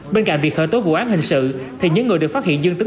bên cạnh việc khởi tố vụ án hình sự thì những người được phát hiện dương tính